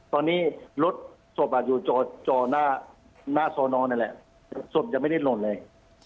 ตอนนี้รถศพอยู่จอหน้าซอนอนนั่นแหละศพยังไม่ได้หล่นเลย